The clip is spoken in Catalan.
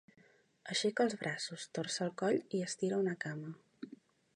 Aixeca els braços, torça el coll i estira una cama.